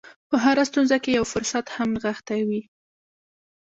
په هره ستونزه کې یو فرصت هم نغښتی وي